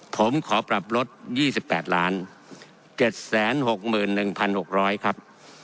ผมขอปรับลด๒๘๗๖๑๖๐๐ครับ